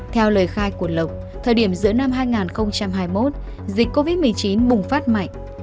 theo lời khai của lộc thời điểm giữa năm hai nghìn hai mươi một dịch covid một mươi chín bùng phát mạnh